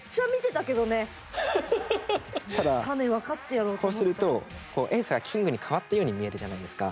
ただこうするとエースがキングに変わったように見えるじゃないですか。